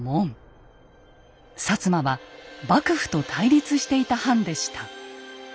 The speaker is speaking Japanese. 摩は幕府と対立していた藩でした。